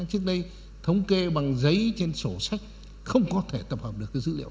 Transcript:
trước đây thống kê bằng giấy trên sổ sách không có thể tập hợp được dữ liệu